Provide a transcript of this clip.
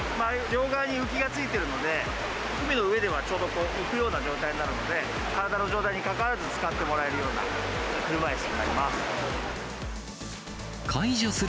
両側に浮きが付いてるので、海の上ではちょうど浮くような状態になるので、体の状態にかかわらず、使ってもらえるような車いすになります。